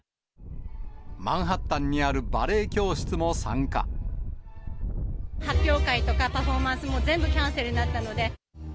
マンハッタンにあるバレエ教発表会とか、パフォーマンスも全部キャンセルになったので。